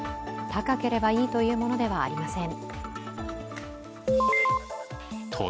高ければいいというものではありません。